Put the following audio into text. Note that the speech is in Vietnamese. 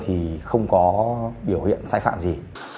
thì không có biểu hiện sai phạm gì